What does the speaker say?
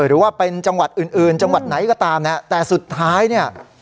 หรือว่าเป็นจังหวัดอื่นอื่นจังหวัดไหนก็ตามนะแต่สุดท้ายเนี่ย